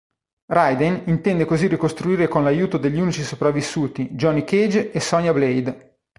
Raiden intende così ricostruire con l'aiuto degli unici sopravvissuti, Johnny Cage e Sonya Blade.